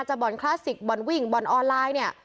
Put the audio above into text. บ่อนคลาสสิกบ่อนวิ่งบ่อนออนไลน์เนี่ย